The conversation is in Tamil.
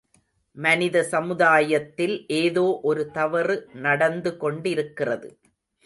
மனித சமுதாயத்தில் ஏதோ ஒரு தவறு நடந்து கொண்டிருக்கிறது.